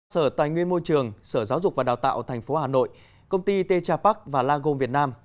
sở tài nguyên môi trường sở giáo dục và đào tạo tp hà nội công ty techa park và lagom việt nam